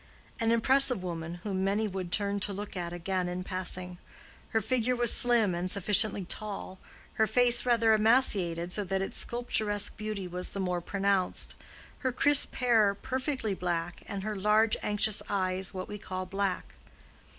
An impressive woman, whom many would turn to look at again in passing; her figure was slim and sufficiently tall, her face rather emaciated, so that its sculpturesque beauty was the more pronounced, her crisp hair perfectly black, and her large, anxious eyes what we call black.